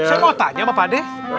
saya mau tanya sama pak de